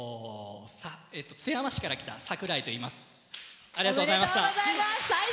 津山市から来たさくらいといいます。